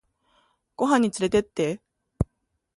ご飯につれてって